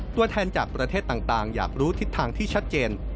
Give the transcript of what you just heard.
ตัวแทนจากประเทศต่างอยากรู้ทิศทางที่ชัดเจน